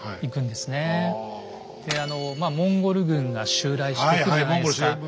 であのモンゴル軍が襲来してくるじゃないですか。